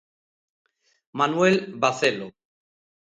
Manuel Bacelo.